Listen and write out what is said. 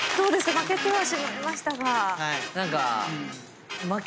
負けてはしまいましたが。